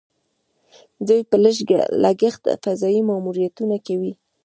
دوی په لږ لګښت فضايي ماموریتونه کوي.